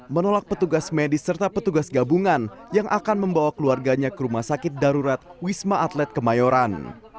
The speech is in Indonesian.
menolak petugas medis serta petugas gabungan yang akan membawa keluarganya ke rumah sakit darurat wisma atlet kemayoran